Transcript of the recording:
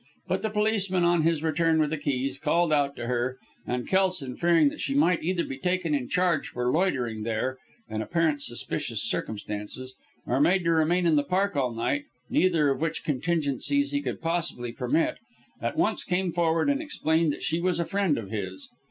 But the policeman on his return with the keys called out to her, and Kelson, fearing that she might be either taken in charge for loitering there, in apparently suspicious circumstances, or made to remain in the Park all night neither of which contingencies he could possibly permit at once came forward, and explained that she was a friend of his.